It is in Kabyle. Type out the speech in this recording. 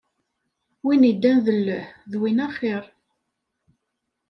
Wi iddan d lleh, d win axiṛ.